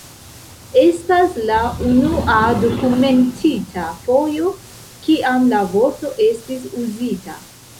Estas la unua dokumentita fojo, kiam la vorto estis uzita.